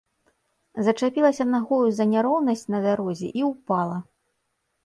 Зачапілася нагою за няроўнасць на дарозе і ўпала.